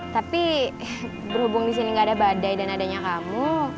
tapi berhubung disini gak ada badai dan adanya kamu